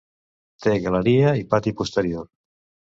Té galeria i pati posterior.